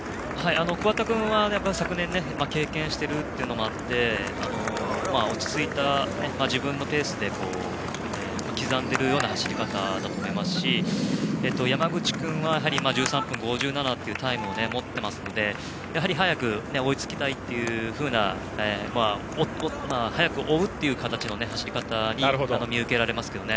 桑田君は昨年を経験しているのもあって落ち着いた自分のペースで刻んでいるような走り方だと思いますし山口君は１３分５７というタイムを持っていますので、やはり早く追いつきたいというような早く追うという形の走り方に見受けられますけどね。